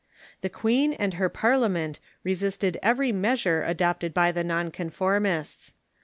The queen and her Parliament resisted every measure adopted by the Non conformists.